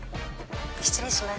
「失礼します」